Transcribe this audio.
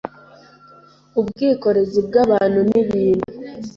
ubwikorezi bw’abantu n’ibintu